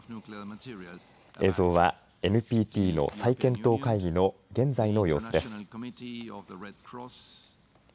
映像は、ＮＰＴの再検討会議の現在の様子です。